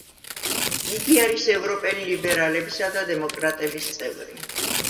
იგი არის ევროპელი ლიბერალებისა და დემოკრატების წევრი.